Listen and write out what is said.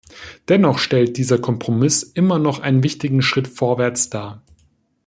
Dennoch stellt dieser Kompromiss immer noch einen wichtigen Schritt vorwärts dar.